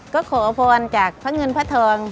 ก็ขอพรจากพระเงินพระทอง